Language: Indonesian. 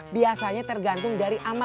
biasanya tergantung dari amal amal